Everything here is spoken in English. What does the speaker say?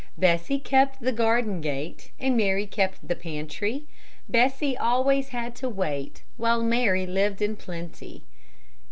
Bessy kept the garden gate, And Mary kept the pantry; Bessy always had to wait, While Mary lived in plenty.